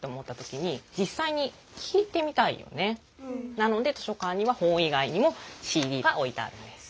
なので図書かんにはほんいがいにもＣＤがおいてあるんです。